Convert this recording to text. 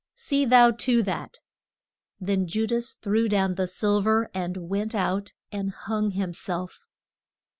See thou to that. Then Ju das threw down the sil ver, and went out and hung him self.